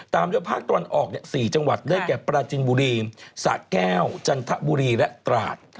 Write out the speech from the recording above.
ตามด้วยภาคตะวันออก๔จังหวัดได้แก่ปราจินบุรีสะแก้วจันทบุรีและตราด